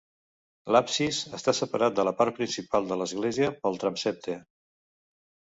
L'absis està separat de la part principal de l'església pel transsepte.